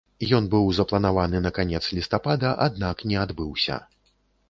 Ён быў запланаваны на канец лістапада, аднак не адбыўся.